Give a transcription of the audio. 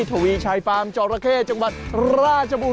ทวีชัยฟาร์มจอระเข้จังหวัดราชบูร